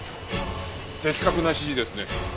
的確な指示ですね。